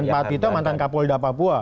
pak tito mantan kapolda papua